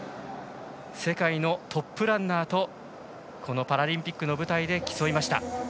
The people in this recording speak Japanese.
世界のトップランナーとこのパラリンピックの舞台で競いました。